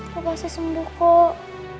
lo pasti sembuh kok